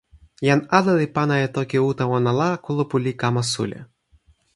jan ale li pana e toki uta ona la, kulupu li kama suli.